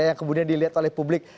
yang kemudian dilihat oleh publik